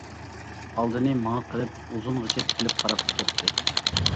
ئالدىنى ماڭا قىلىپ ئۇزۇنغىچە تىكىلىپ قاراپ كەتتى.